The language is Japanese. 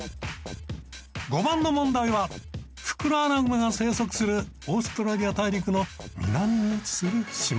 ５番の問題はフクロアナグマが生息するオーストラリア大陸の南に位置する島。